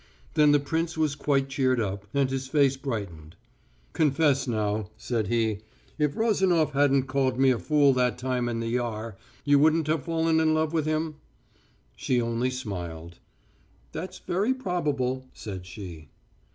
Then the prince was quite cheered up, and his face brightened. "Confess now," said he, "if Rozanof hadn't called me a fool that time in the Yar, you wouldn't have fallen in love with him?" She only smiled. "That's very probable," said she.